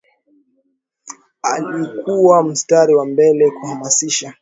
alikuwa mstari wa mbele kuhamasisha